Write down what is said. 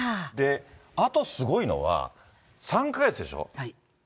あとすごいのは、３か月でしょ。